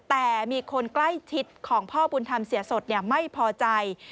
แต่มีคนใกล้ชิดของพ่อบุญธรรมเสียสดไม่พอใจ